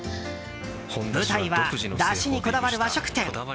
舞台は、だしにこだわる和食店。